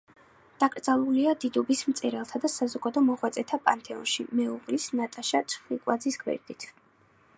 დაკრძალულია დიდუბის მწერალთა და საზოგადო მოღვაწეთა პანთეონში მეუღლის, ნატაშა ჩხიკვაძის, გვერდით.